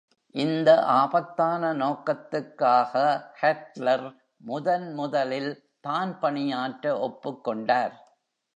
இந்த ஆபத்தான நோக்கத்துக்காக Hatler முதன்முதலில் தான் பணியாற்ற ஒப்புக்கொண்டார்.